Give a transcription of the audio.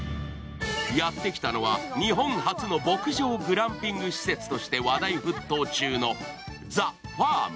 やってきたのは日本初の牧場グランピング施設として話題沸騰中のＴＨＥＦＡＲＭ。